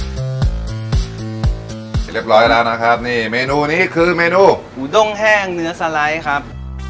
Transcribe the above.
เสร็จเรียบร้อยแล้วนะครับนี่เมนูนี้คือเมนูหมูด้งแห้งเนื้อสไลด์ครับ